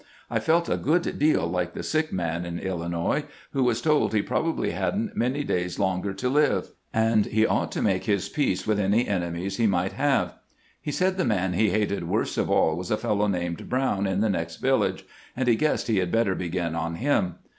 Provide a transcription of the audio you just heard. I felt a good deal like the sick man in Illinois who was told he probably had n't many days longer to live, THE PBESIDENT TELLS SOME ANECDOTES 409 and lie ought to make his peace with any enemies he might have. He said the man he hated worst of all was a fellow named Brown, in the next village, and he guessed he had better begin on him.